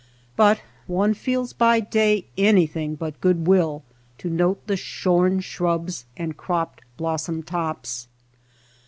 But one feels by day anything but good will to note the shorn shrubs and cropped blossom tops.